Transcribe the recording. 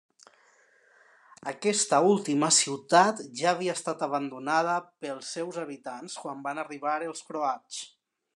Aquesta última ciutat ja havia estat abandonada pels seus habitants quan van arribar els croats.